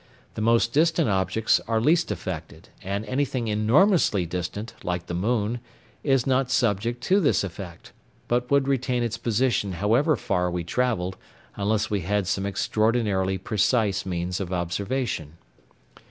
The most distant objects are least affected; and anything enormously distant, like the moon, is not subject to this effect, but would retain its position however far we travelled, unless we had some extraordinarily precise means of observation.